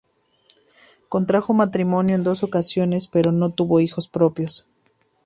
Contrajo matrimonio en dos ocasiones, pero no tuvo hijos propios.